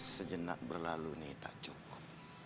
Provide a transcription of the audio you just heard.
sejenak berlalu ini tak cukup